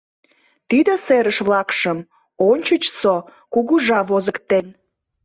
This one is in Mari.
Тиде серыш-влакшым ончычсо кугыжа возыктен.